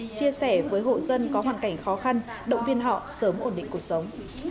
chia sẻ với hộ dân có hoàn cảnh khó khăn động viên họ sớm ổn định cuộc sống